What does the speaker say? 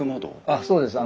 あっそうです。